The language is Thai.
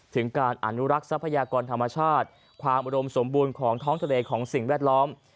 ถึงการอนุรักษ์ทรัพยากรธรรมชาติความอุดมสมบูรณ์ของท้องทะเลของสิ่งแวดล้อม